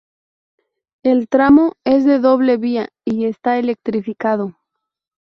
El tramo es de doble vía y está electrificado.